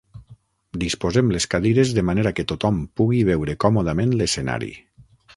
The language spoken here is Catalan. Disposem les cadires de manera que tothom pugui veure còmodament l'escenari.